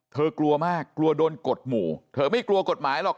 กลัวมากกลัวโดนกดหมู่เธอไม่กลัวกฎหมายหรอก